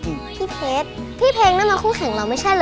พี่เพชรพี่เพลงนั่นมาคู่แข่งเราไม่ใช่เหรอ